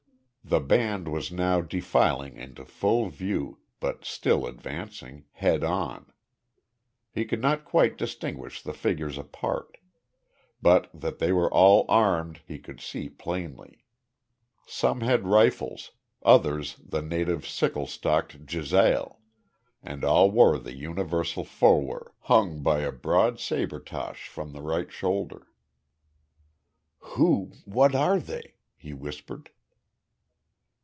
The band was now defiling into full view, but still advancing, head on; he could not quite distinguish the figures apart; but that they were all armed he could see plainly. Some had rifles, others the native sickle stocked jezail, and all wore the universal fulwar, hung by a broad sabretasche from the right shoulder. "Who what are they?" he whispered.